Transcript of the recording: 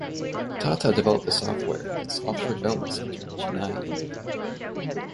Tata developed the software at its offshore development center in Chennai, India.